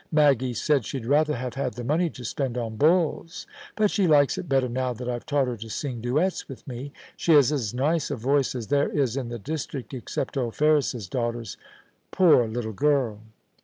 Maggie said she'd rather have had the money to spend on bulls ; but she likes it better now that Fve taught her to sing duets with me. She has as nice a voice as there is in the district, except old Ferris's daughter's — poor little girl